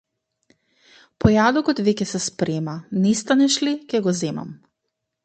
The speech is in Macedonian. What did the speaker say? Појадокот веќе се спрема, не станеш ли, ќе го земам!